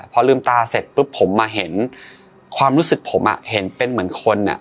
พอลืมตาเสร็จปุ๊บผมมาเห็นความรู้สึกผมอ่ะเห็นเป็นเหมือนคนอ่ะ